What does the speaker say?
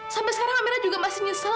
sampai sekarang amera juga masih nyesel